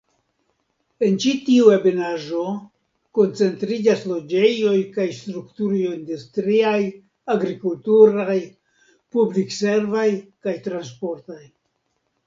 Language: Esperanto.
En ĉi tiu ebenaĵo koncentriĝas loĝejoj kaj strukturoj industriaj, agrikulturaj, publik-servaj kaj transportaj.